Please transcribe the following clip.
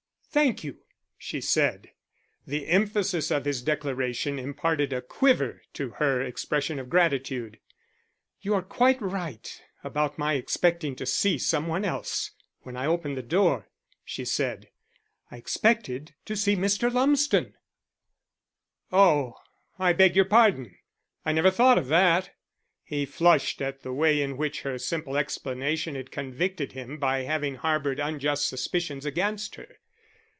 "Thank you," she said. The emphasis of his declaration imparted a quiver to her expression of gratitude. "You are quite right about my expecting to see some one else when I opened the door," she said. "I expected to see Mr. Lumsden." "Oh, I beg your pardon. I never thought of that." He flushed at the way in which her simple explanation had convicted him of having harboured unjust suspicions against her.